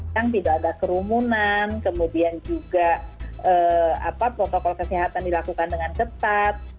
yang tidak ada kerumunan kemudian juga protokol kesehatan dilakukan dengan ketat